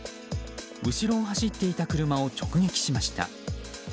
後ろを走っていた車を直撃しました。